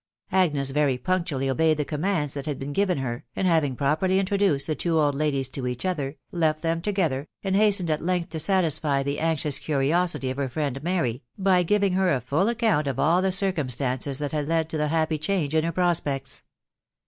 Agnes very punctually obeyed the commands that had been given her, and having properly introduced the two fid ladies to each other, left them together, and hastened at length to satisfy the anxious curiosity of her friend Mary, by giving her * f«3\ *r»&\mx *& 446 TIUB WIDOW BABNABY. all the circumstances that had led to the happy change in her prospects.